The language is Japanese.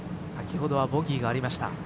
先ほどはボギーがありました。